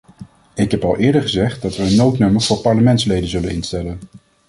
Ik heb al eerder gezegd dat we een noodnummer voor parlementsleden zullen instellen.